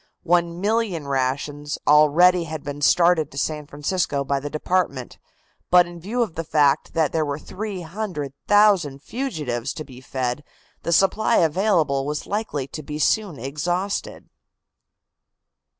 One million rations already had been started to San Francisco by the department. But in view of the fact that there were 300,000 fugitives to be fed the supply available was likely to be soon exhausted.